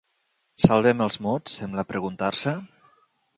¿Salvem els mots?, sembla preguntar-se.